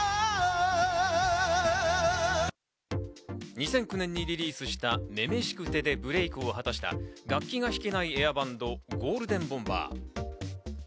２００９年にリリースした『女々しくて』でブレイクを果たした楽器が弾けないエアバンド、ゴールデンボンバー。